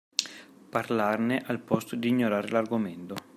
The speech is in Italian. Parlarne al posto di ignorare l’argomento.